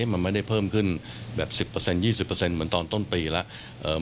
มันไม่ได้เพิ่มขึ้นแบบ๑๐๒๐เหมือนตอนต้นปีแล้ว